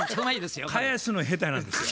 返すの下手なんですよ。